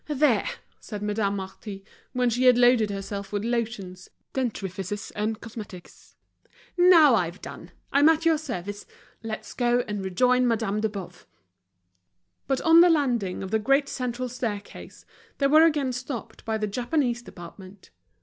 "There," said Madame Marty, when she had loaded herself with lotions, dentrifices, and cosmetics. "Now I've done, I'm at your service. Let's go and rejoin Madame de Boves." But on the landing of the great central staircase they were again stopped by the Japanese department.